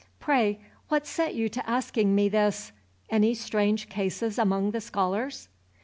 Pray, what set you to asking me this? Any strange cases among the scholars?"